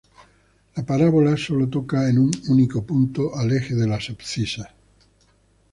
La parábola solo toca en un único punto al eje de las abscisas.